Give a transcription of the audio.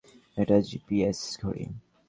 এটা জিপিএস ঘড়ি।